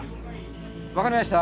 分かりました。